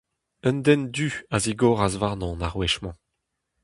Un den du a zigoras warnon ar wech-mañ.